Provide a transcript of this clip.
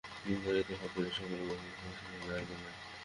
দুই গাড়িতে ভাগ করিয়া সকলে উপাসনালয়ে গেলেন।